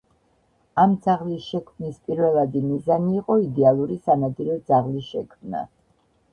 ამ ძაღლის შექმნის პირველადი მიზანი იყო იდეალური სანადირო ძაღლის შექმნა.